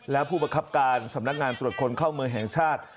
และผู้ประคับการสำนักงานตรวจคนเข้าเมืองแห่งชาติ